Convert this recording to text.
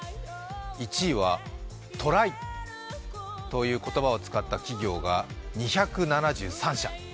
１位はトライという言葉を使った企業が２７３社。